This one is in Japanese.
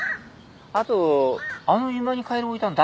あとあの居間にカエル置いたの誰？